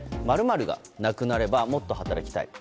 ○○がなくなればもっと働きたい。